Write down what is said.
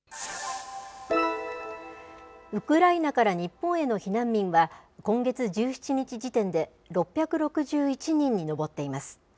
ウクライナから日本への避難民は、今月１７日時点で６６１人に上っています。